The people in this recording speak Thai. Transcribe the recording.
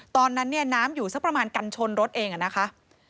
ตอนนั้นเนี่ยน้ำอยู่สักประมาณกันชนรถเองอะนะคะ